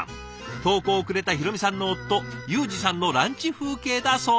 投稿をくれたひろみさんの夫ゆうじさんのランチ風景だそうです。